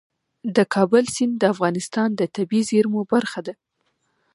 د کابل سیند د افغانستان د طبیعي زیرمو برخه ده.